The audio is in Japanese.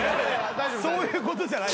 そういうことじゃない。